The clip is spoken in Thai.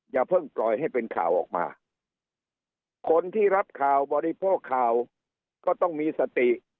อย่าเพิ่งปล่อยให้เป็นข่าวออกมาคนที่รับข่าวบริโภคข่าวก็ต้องมีสติ